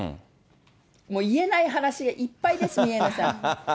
もう言えない話がいっぱいです、宮根さん。